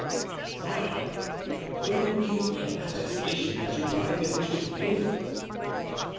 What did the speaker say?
"Sire, will you give me an attestation that you die in the Christian faith?"